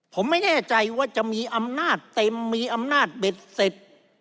ผมไม่แน่ใจว่าจะมีอำนาจเต็มมีอำนาจเบ็ดเสร็จ